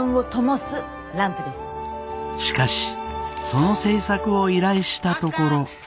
しかしその製作を依頼したところ。